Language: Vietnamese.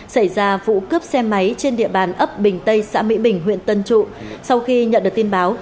xảy ra vụ cướp xe máy trên địa bàn ấp bình tây xã mỹ bình huyện tân trụ sau khi nhận được tin báo